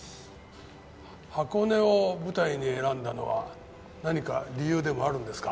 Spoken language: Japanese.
箱根を舞台に選んだのは何か理由でもあるんですか？